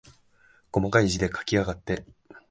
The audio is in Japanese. こまかい字で書きやがって。